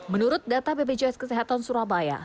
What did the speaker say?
menurut data bpjs kesehatan surabaya